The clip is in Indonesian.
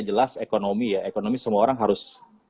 jelas ekonomi ya ekonomi semua orang harus